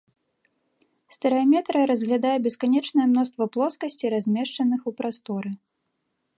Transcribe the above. Стэрэаметрыя разглядае бесканечнае мноства плоскасцей, размешчаных у прасторы.